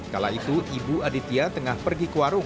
kala itu ibu aditya tengah pergi ke warung